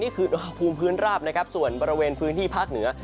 อุณหภูมิพื้นราบนะครับส่วนบริเวณพื้นที่ภาคเหนือ